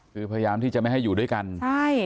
คือพยายามที่จะไม่ให้อยู่ด้วยกันใช่